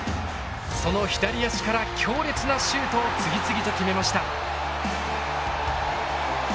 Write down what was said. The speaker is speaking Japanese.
その左足から強烈なシュートを次々と決めました。